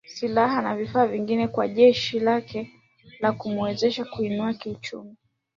silaha na vifaa vingine kwa jeshi lake la kumuwezesha kuinuka kiuchumi